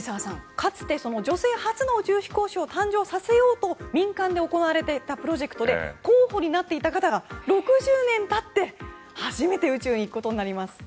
かつて女性初の宇宙飛行士を誕生させようと民間で行われていたプロジェクトで候補になっていた方が６０年たって初めて宇宙に行くことになります。